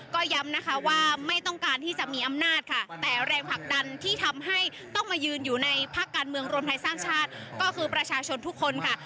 ก็ย้ำนะคะว่าไม่ต้องการที่จะมีอำนาจค่ะแต่แรงผลักดันที่ทำให้ต้องมายืนอยู่ในพักการเมืองรวมไทยสร้างชาติก็คือประชาชนทุกคนค่ะ